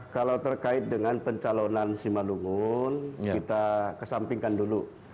kalau terkait dengan pencalonan simalungun kita kesampingkan dulu